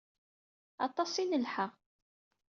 Aṭas i nelḥa.